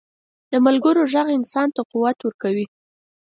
د ملګرو ږغ انسان ته قوت ورکوي.